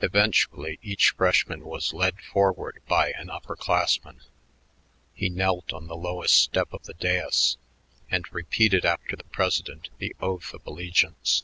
Eventually each freshman was led forward by an upper classman. He knelt on the lowest step of the dais and repeated after the president the oath of allegiance.